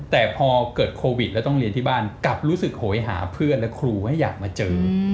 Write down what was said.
แต่พอเกิดโควิดแล้วต้องเรียนที่บ้านกลับรู้สึกโหยหาเพื่อนและครูให้อยากมาเจอ